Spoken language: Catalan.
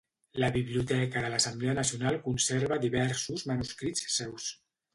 La biblioteca de l'Assemblea Nacional conserva diversos manuscrits seus.